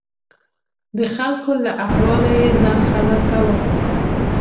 د خلکو له احواله یې ځان خبر کاوه.